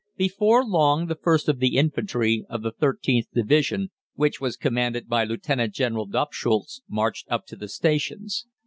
"Before long the first of the infantry of the 13th Division, which was commanded by Lieutenant General Doppschutz, marched up to the stations.